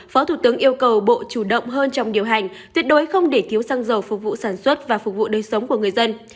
phó thủ tướng yêu cầu bộ chủ động hơn trong điều hành tuyệt đối không để thiếu xăng dầu phục vụ sản xuất và phục vụ đời sống của người dân